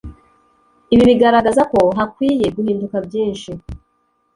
ibi biragaragaza ko hakwiye guhinduka byinshi